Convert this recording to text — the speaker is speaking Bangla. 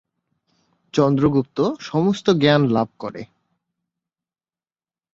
চন্দ্রগুপ্ত সমস্ত জ্ঞান লাভ করে।